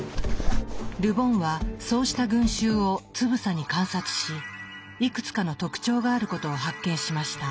ル・ボンはそうした群衆をつぶさに観察しいくつかの特徴があることを発見しました。